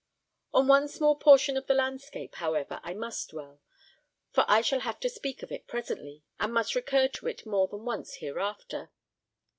On one small portion of the landscape, however, I must dwell, for I shall have to speak of it presently, and must recur to it more than once hereafter.